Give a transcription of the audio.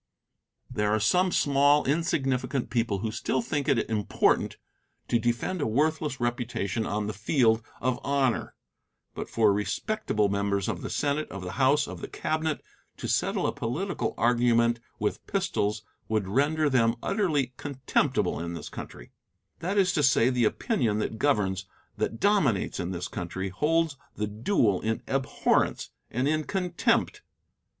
There are some small, insignificant people who still think it important to defend a worthless reputation on the field of "honor," but for respectable members of the Senate, of the House, of the Cabinet, to settle a political argument with pistols would render them utterly contemptible in this country; that is to say, the opinion that governs, that dominates in this country, holds the duel in abhorrence and in contempt.